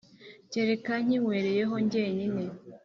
kereka nkinywereyeho jyenyine